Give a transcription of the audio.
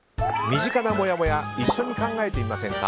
身近なもやもや一緒に考えてみませんか。